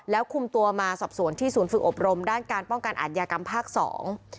แล้วคุมตัวมาสอบสวนที่ศูนย์ฝึกอบรมด้านการป้องกันอาทยากรรมภาคสอง